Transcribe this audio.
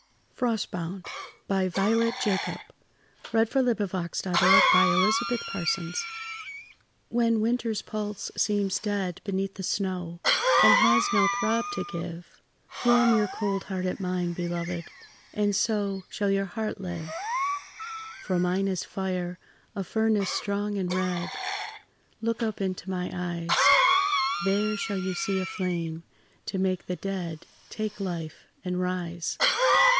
ers, in a deathless fire, I shall have forged a sword. Violet Jacob Frostbound WHEN winter's pulse seems dead beneath the snow, And has no throb to give, Warm your cold heart at mine, beloved, and so Shall your heart live. For mine is fire a furnace strong and red; Look up into my eyes, There shall you see a flame to make the dead Take life and rise.